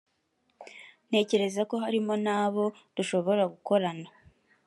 ntekereza ko harimo n’abo dushobora gukorana